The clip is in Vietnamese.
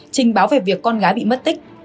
trình báo về việc con gái bị mất tích